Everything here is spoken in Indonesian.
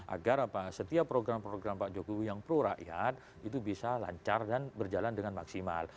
agar setiap program program pak jokowi yang pro rakyat itu bisa lancar dan berjalan dengan maksimal